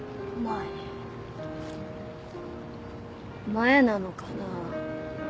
前なのかな。